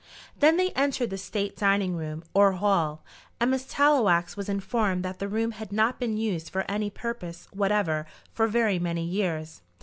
Then they entered the state dining room or hall, and Miss Tallowax was informed that the room had not been used for any purpose whatever for very many years.